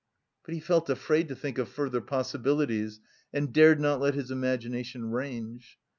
But he felt afraid to think of further possibilities and dared not let his imagination range.